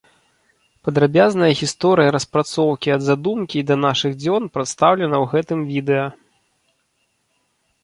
Падрабязная гісторыя распрацоўкі ад задумкі і да нашых дзён прадстаўлена ў гэтым відэа.